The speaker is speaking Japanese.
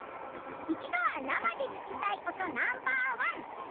一度は生で聴きたいナンバーワン。